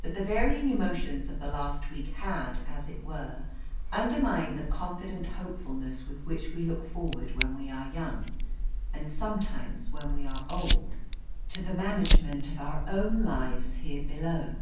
But the varying emotions of the last week had, as it were, undermined the confident hopefulness with which we look forward when we are young, and sometimes when we are old, to the management of our own lives here below.